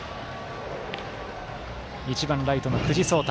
１番ライトの久慈颯大。